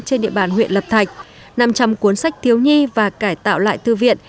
trên địa bàn huyện lập thạch năm trăm linh cuốn sách thiếu nhi và cải tạo lại thư viện